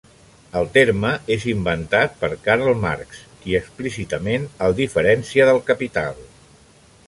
El terme és inventat per Karl Marx qui explícitament el diferencia del capital.